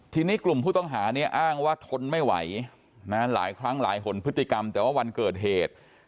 ทีนี้กลุ่มผู้ต้องหาเนี่ยอ้างว่าทนไม่ไหวหลายครั้งหลายหนพฤติกรรมแต่ว่าวันเกิดเหตุ